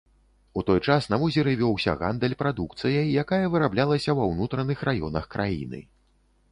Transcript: У той час на возеры вёўся гандаль прадукцыяй, якая выраблялася ва ўнутраных раёнах краіны.